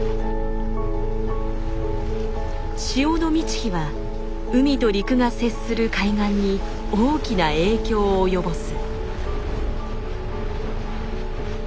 潮の満ち干は海と陸が接する海岸に大きな影響を及ぼす。